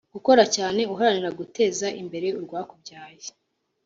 gukora cyane uharanira guteza imbere urwakubyaye